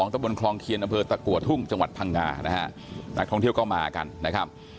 ตะบนคลองเคียนอำเภอตะกัวทุ่งจังหวัดพังงานะฮะนักท่องเที่ยวก็มากันนะครับ